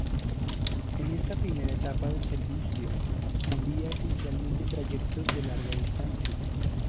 En esta primera etapa el servicio cubría esencialmente trayectos de larga distancia.